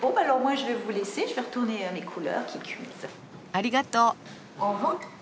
ありがとう。